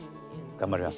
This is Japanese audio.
頑張ります。